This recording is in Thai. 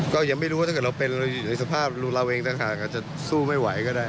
ก็ยังไม่รู้ว่าถ้าเกิดเราเป็นในสภาพเราเองทั้งหากจะสู้ไม่ไหวก็ได้